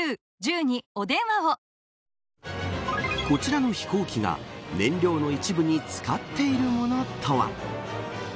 こちらの飛行機が燃料の一部に使っているものとは。